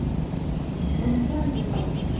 Zemkeɣ yiwen.